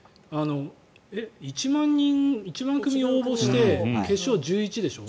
１万組応募して決勝、１１でしょ？